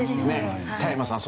田山さん